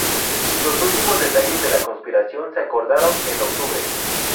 Los últimos detalles de la conspiración se acordaron en octubre.